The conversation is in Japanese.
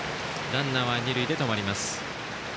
ランナーは二塁で止まります。